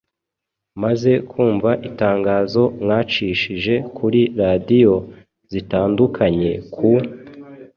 Maze kumva itangazo mwacishije kuri radiyo zitandukanye ku